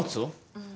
うん。